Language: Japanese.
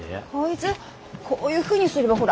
こういうふうにすればほら。